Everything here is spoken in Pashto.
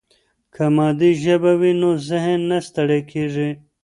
که مادي ژبه وي نو ذهن نه ستړی کېږي.